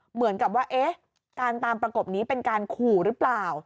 เหมือนกับว่าเอ๊ะการตามประกบนี้เป็นการขู่หรือเปล่า